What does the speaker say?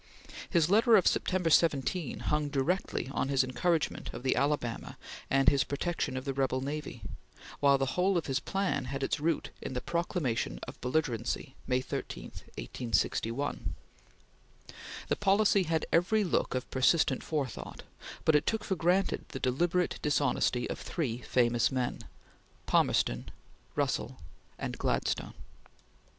His letter of September 17 hung directly on his encouragement of the Alabama and his protection of the rebel navy; while the whole of his plan had its root in the Proclamation of Belligerency, May 13, 1861. The policy had every look of persistent forethought, but it took for granted the deliberate dishonesty of three famous men: Palmerston, Russell, and Gladstone.